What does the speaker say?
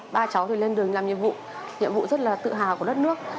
ba cháu thì lên đường làm nhiệm vụ nhiệm vụ rất là tự hào của đất nước